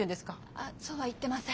あそうは言ってません。